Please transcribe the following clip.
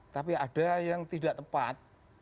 tapi ada yang tidak tepat